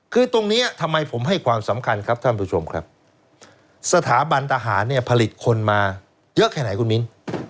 คือตรงนี้ทำไมผมให้ความสำคัญครับสถาบันทะหารผลิตคนมาเยอะแค่ไหนคุณมิน